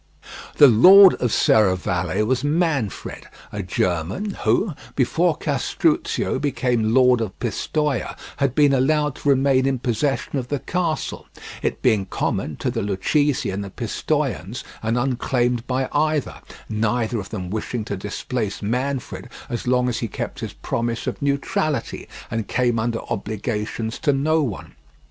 The lord of Serravalle was Manfred, a German, who, before Castruccio became lord of Pistoia, had been allowed to remain in possession of the castle, it being common to the Lucchese and the Pistoians, and unclaimed by either—neither of them wishing to displace Manfred as long as he kept his promise of neutrality, and came under obligations to no one.